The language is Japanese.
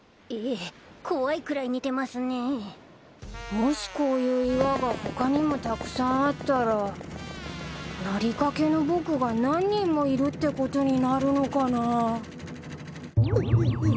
もしこういう岩が他にもたくさんあったらなりかけの僕が何人もいるってことになるのかな？うっうう。